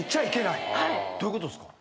どういうことっすか？